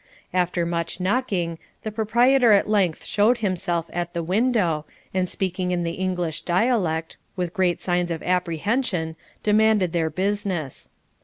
After much knocking, the proprietor at length showed himself at the window, and speaking in the English dialect, with great signs of apprehension, demanded their business.